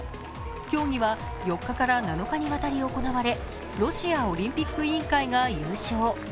競技は４日から７日にわたり行われロシアオリンピック委員会が優勝。